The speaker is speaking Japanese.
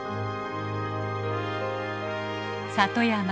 里山。